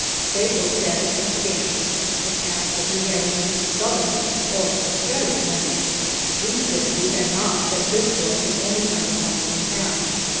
They looked at it askance, and asked if we had any "Southern" or Confederate money. We said we had not, that this was the only kind of money we had.